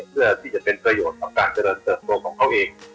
เพื่อที่จะเป็นประโยชน์ต่อการเจริญเติบโตของเขาเอง